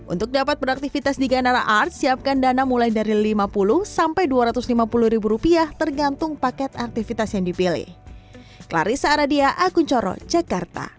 untuk dapat beraktivitas di ganara art siapkan dana mulai dari lima puluh sampai rp dua ratus lima puluh ribu rupiah tergantung paket aktivitas yang dipilih